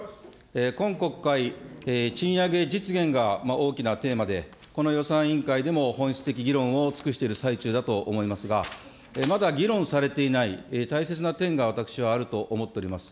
今国会、賃上げ実現が大きなテーマで、この予算委員会でも本質的議論を尽くしている最中だと思いますが、まだ議論されていない大切な点が、私はあると思っております。